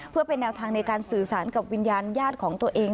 เพื่อเป็นแนวทางในการสื่อสารกับวิญญาณญาติของตัวเอง